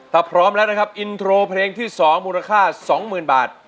ถ้าพร้อมแล้วนะครับอินโทรเพลงที่๒มูลค่า๒๐๐๐บาท